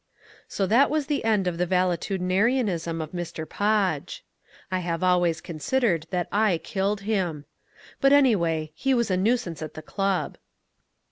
So that was the end of the valetudinarianism of Mr. Podge. I have always considered that I killed him. But anyway, he was a nuisance at the club.